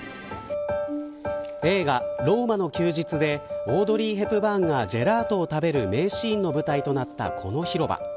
映画ローマの休日でオードリー・ヘプバーンがジェラートを食べる名シーンの舞台となったこの広場。